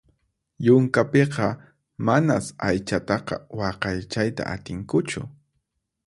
Yunkapiqa manas aychataqa waqaychayta atinkuchu.